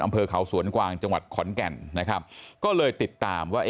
อำเภอเขาสวนกวางจังหวัดขอนแก่นนะครับก็เลยติดตามว่า